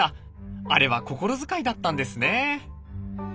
あれは心遣いだったんですね。